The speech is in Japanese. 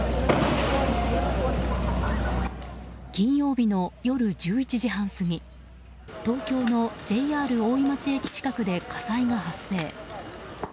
金曜日の夜１１時半過ぎ東京のＪＲ大井町駅近くで火災が発生。